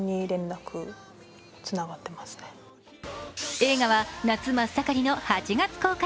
映画は夏真っ盛りの８月公開。